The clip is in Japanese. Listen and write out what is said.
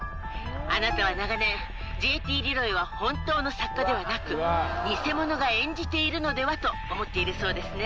あなたは長年、ＪＴリロイは本当の作家ではなく、偽者が演じているのでは？と思っているそうですね。